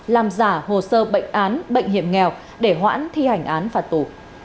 làm giả hồ sơ bệnh án bệnh hiểm nghèo để hoãn thi hành án phạt tù